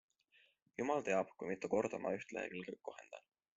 Jumal teab, kui mitu korda ma üht lehekülge kohendan.